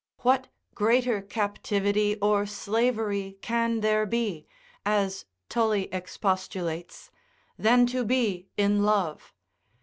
What greater captivity or slavery can there be (as Tully expostulates) than to be in love?